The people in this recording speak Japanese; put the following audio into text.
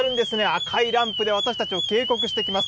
赤いランプで私たちを警告してきます。